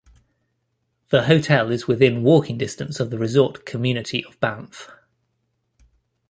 The hotel is within walking distance of the resort community of Banff.